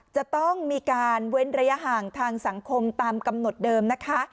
จะต้องมีการเว้นระยะห่างทางสังคมตามกำหนดเดิมนะคะ